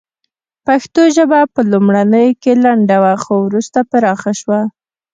پښتو ژبه په لومړیو کې لنډه وه خو وروسته پراخه شوه